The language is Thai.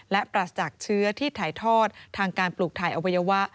และปราศจากเชื้อที่ถ่ายทอดทางการปลูกถ่ายอวัยวะ